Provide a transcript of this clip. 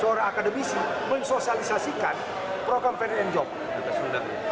seorang akademisi mensosialisasikan program ferencjov